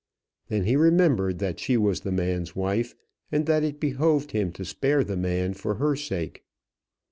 Then he remembered that she was the man's wife, and that it behoved him to spare the man for her sake.